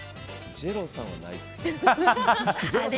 ジェロさんはない。